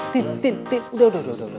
tintin tintin udah udah udah